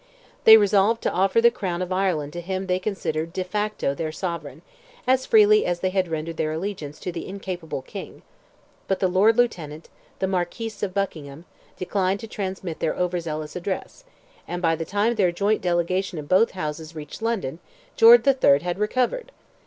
They resolved to offer the crown of Ireland to him they considered de facto their Sovereign, as freely as they had rendered their allegiance to the incapable king; but the Lord Lieutenant—the Marquis of Buckingham—declined to transmit their over zealous address, and by the time their joint delegation of both Houses reached London, George III. had recovered!